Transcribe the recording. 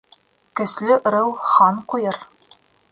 Көслө ырыу хан ҡуйыр